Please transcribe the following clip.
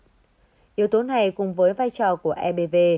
điều tố này cùng với vai trò của ebv